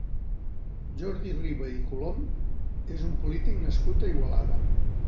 Jordi Riba i Colom és un polític nascut a Igualada.